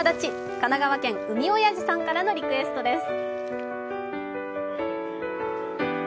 神奈川県、海おやじさんからのリクエストです。